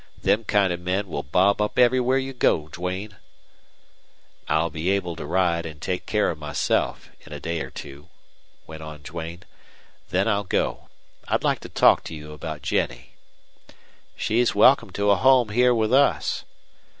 Them kind of men will bob up everywhere you go, Duane." "I'll be able to ride and take care of myself in a day or two," went on Duane. "Then I'll go I'd like to talk to you about Jennie." "She's welcome to a home here with us."